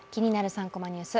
３コマニュース」